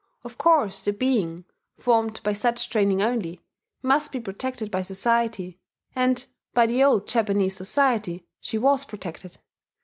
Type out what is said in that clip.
Of course the being, formed by such training only, must be protected by society; and by the old Japanese society she was protected.